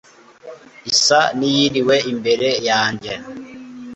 Isa niyiriwe imbere yanjye